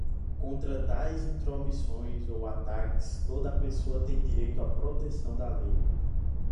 Contra tais intromissões ou ataques toda a pessoa tem direito a protecção da lei.